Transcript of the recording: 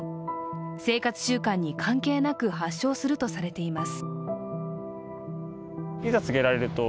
生活習慣に関係なく発症するとされています。